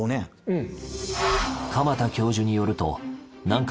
うん。